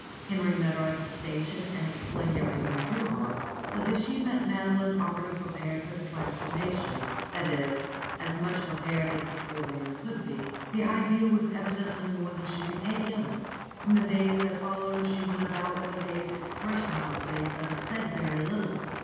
Henry met her at the station and explained everything to her, so that she met Madeline already prepared for the transformation, that is, as much prepared as the poor woman could be. The idea was evidently more than she could take in. In the days that followed she went about with a dazed expression on her face, and said very little.